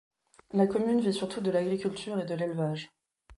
La commune vit surtout de l'agriculture et de l’élevage.